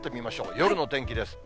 夜の天気です。